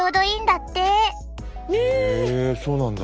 へえそうなんだ！